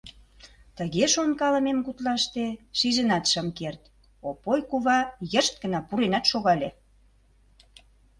Тыге шонкалымем гутлаште шижынат шым керт: Опой кува йышт гына пуренат шогале.